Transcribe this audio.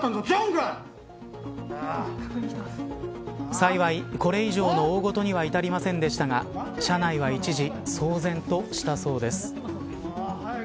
幸い、これ以上の大事には至りませんでしたが車内は一時騒然としたそうです。